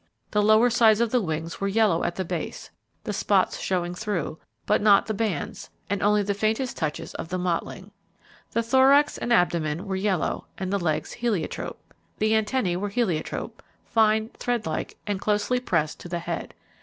The lower sides of the wings were yellow at the base, the spots showing through, but not the bands, and only the faintest touches of the mottling. The thorax and abdomen were yellow, and the legs heliotrope. The antennae were heliotrope, fine, threadlike, and closely pressed to the head.